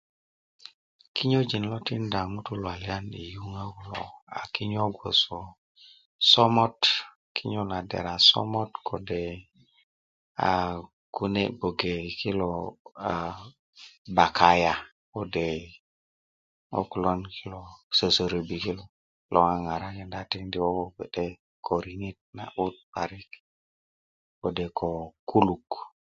kinyojin lo tikinda ŋutuu luealiyan yi yuŋö kulo a kinyo gboso smoot, kinyo na dera somot kode' aa kune' gboge kilo aa bakaya kode' ŋo' kulon kilo sosorobi kilo, kilo ŋaŋarakinda a tindi koko kode ko riŋit na'but paril kode ko kuluk